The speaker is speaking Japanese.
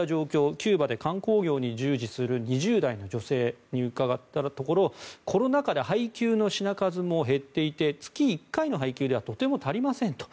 キューバで観光業に従事する２０代の女性に伺ったところコロナ禍で配給の品数も減っていて月１回の配給ではとても足りませんと。